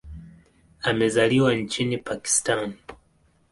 Amezaliwa nchini Pakistan.